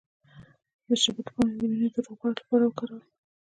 د شبت پاڼې د وینې د غوړ لپاره وکاروئ